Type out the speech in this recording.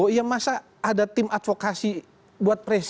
ya masa ada tim advokasi buat presiden